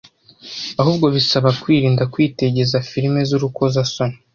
ahubwo bisaba kwirinda kwitegeza filimi z’urukozasoni